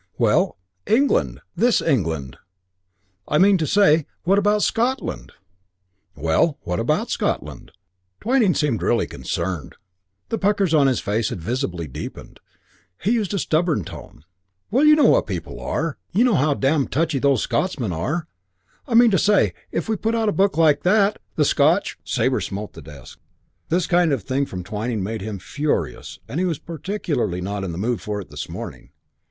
"Well 'England' 'this England.' I mean to say What about Scotland?" "Well, what about Scotland?" Twyning seemed really concerned. The puckers on his face had visibly deepened. He used a stubborn tone. "Well, you know what people are. You know how damned touchy those Scotchmen are. I mean to say, if we put out a book like that, the Scotch " Sabre smote the desk. This kind of thing from Twyning made him furious, and he particularly was not in the mood for it this morning.